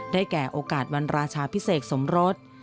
แก่โอกาสวันราชาพิเศษสมรส